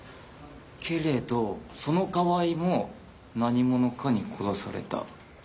けれどその川井も何者かに殺された。